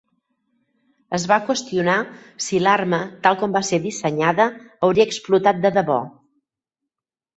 Es va qüestionar si l'arma tal com va ser dissenyada hauria explotat de debò.